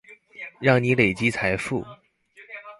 讓你累積財富